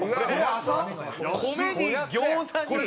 米に餃子に。